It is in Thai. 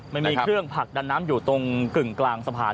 ไม่มีเครื่องผลักดันน้ำอยู่ตรงกึ่งกลางสะพาน